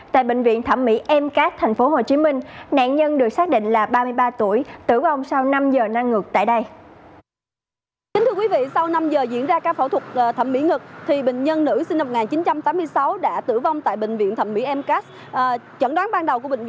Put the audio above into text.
thân chúc xin chào